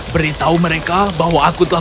beritahu mereka bahwa aku telah